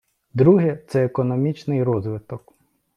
Друге - це економічний розвиток.